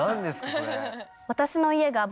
これ。